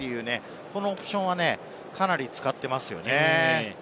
このオプションはかなり使っていますよね。